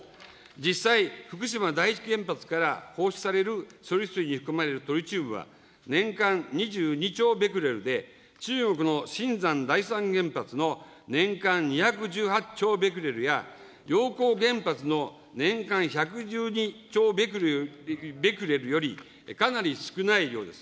実際、福島第一原発から放出される処理水に含まれるトリチウムは、年間２２兆ベクレルで、中国の秦山第３原発の年間２１８兆ベクレルや、陽江原発の年間１１２兆ベクレルよりかなり少ない量です。